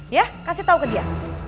ya kasih tahu ke dia